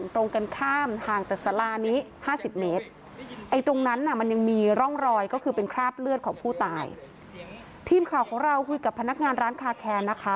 ทีมข่าวของเราคุยกับพนักงานร้านคาแคร์นะคะ